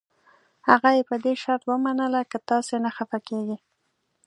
هغه یې په دې شرط ومنله که تاسي نه خفه کېږئ.